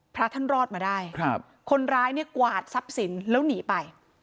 พระท่านรอดมาได้ครับคนร้ายเนี่ยกวาดทรัพย์สินแล้วหนีไป